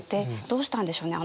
どうしたんでしょうね